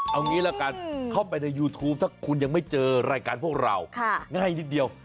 เอางี้ละกันเข้าไปในยูทูปถ้าคุณยังไม่เจอรายการพวกเราง่ายนิดเดียว